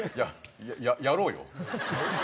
やろうよ。